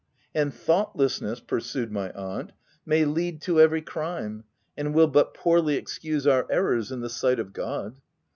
" And thoughtlessness," pursued my aunt, " may lead to every crime, and will but poorly excuse our errors in the sight of God.